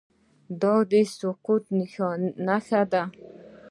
دا د سقوط نښه ده.